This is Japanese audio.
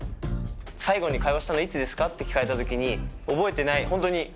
「最後に会話したのいつですか？」って聞かれた時に覚えてないホントに。